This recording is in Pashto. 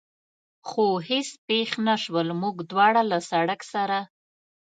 خو هېڅ پېښ نه شول، موږ دواړه له سړک سره.